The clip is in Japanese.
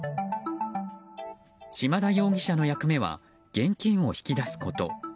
島田容疑者の役目は現金を引き出すこと。